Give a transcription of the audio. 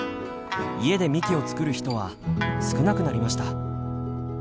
家でみきを作る人は少なくなりました。